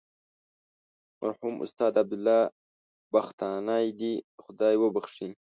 مرحوم استاد عبدالله بختانی دې خدای وبخښي.